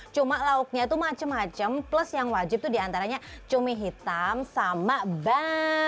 cuma lauknya itu macam macam plus yang wajib itu diantaranya cumi hitam sama berat